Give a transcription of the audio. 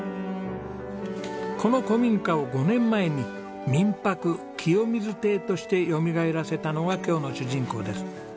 この古民家を５年前に民泊きよみず邸としてよみがえらせたのが今日の主人公です。